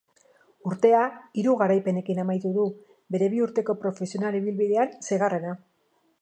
Urtea hiru garaipenekin amaitu du, bere bi urteko profesional ibilbidean seigarrena.